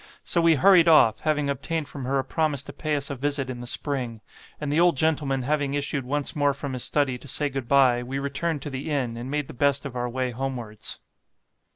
So we hurried off, having obtained from her a promise to pay us a visit in the spring; and the old gentleman having issued once more from his study to say good bye, we returned to the inn, and made the best of our way homewards.